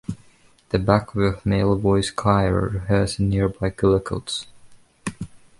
The Backworth Male Voice Choir rehearse in nearby Cullercoats.